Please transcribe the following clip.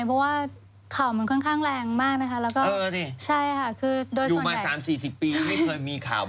เพราะว่าข่าวมันค่อนข้างแรงมากนะคะ